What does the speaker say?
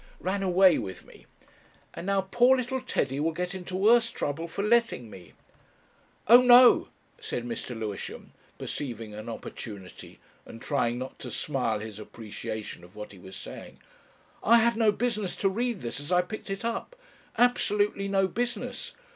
"Ran away with me. And now poor little Teddy will get into worse trouble for letting me...." "Oh no," said Mr. Lewisham, perceiving an opportunity and trying not to smile his appreciation of what he was saying. "I had no business to read this as I picked it up absolutely no business.